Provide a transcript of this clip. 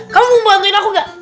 kamu mau bantuin aku gak